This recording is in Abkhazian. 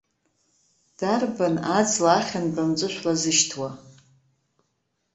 Дарбан аҵла ахьынтә амҵәышә лазышьҭуа?